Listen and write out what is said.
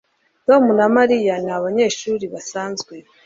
Tom na Mariya ni abanyeshuri basanzwe